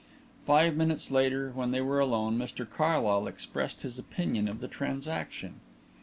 Five minutes later, when they were alone, Mr Carlyle expressed his opinion of the transaction.